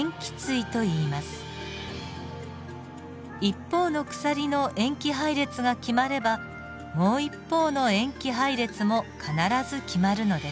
一方の鎖の塩基配列が決まればもう一方の塩基配列も必ず決まるのです。